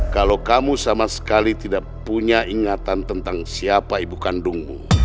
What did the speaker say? kalau kamu sama sekali tidak punya ingatan tentang siapa ibu kandungmu